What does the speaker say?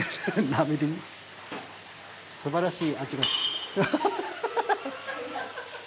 素晴らしい味が。